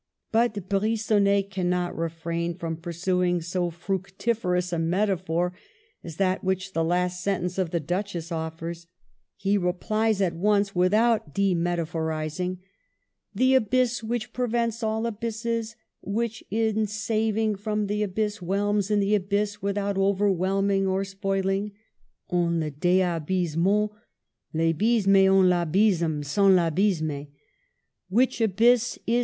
But Brigonnet cannot refrain from pur suing so fructiferous a metaphor as that which the last sentence of the Duchess off'ers. He re plies at once, without demetaphorizing: "The abyss which prevents all abysses, which in sav ing from the abyss whelms in the abyss without whelming or spoiling \e7i le desabysmant Vabys mer en Vabysme sans V abysmer\ , which abyss is THE AFFAIR OF MEAUX.